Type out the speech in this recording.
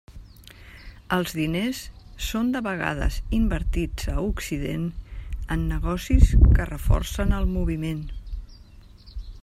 Els diners són de vegades invertits a Occident en negocis que reforcen el moviment.